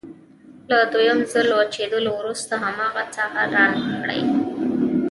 له دویم ځل وچېدلو وروسته هماغه ساحه رنګ کړئ.